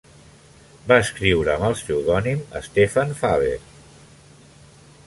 Va escriure amb el pseudònim Stefan Faber.